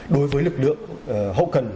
đối với lực lượng hậu cần